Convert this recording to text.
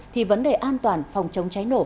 thì vấn đề an toàn phòng chống cháy nổ